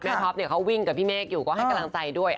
ท็อปเขาวิ่งกับพี่เมฆอยู่ก็ให้กำลังใจด้วย